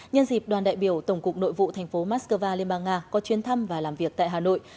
nhân dịp đoàn đại biểu tổng cục nội vụ tp moscow liên bang nga có chuyên thăm và làm việc tại hà nội